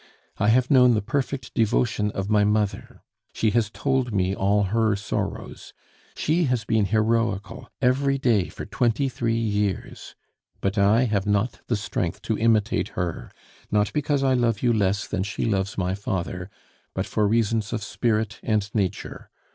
I have known the perfect devotion of my mother; she has told me all her sorrows! She has been heroical every day for twenty three years. But I have not the strength to imitate her, not because I love you less than she loves my father, but for reasons of spirit and nature.